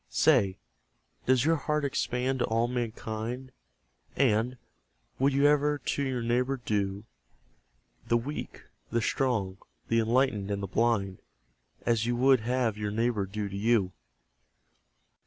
Say, does your heart expand to all mankind? And, would you ever to your neighbour do The weak, the strong, the enlightened, and the blind As you would have your neighbour do to you?